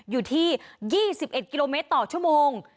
อยู่ที่๒๑กิโลเมตรต่อชั่วโมง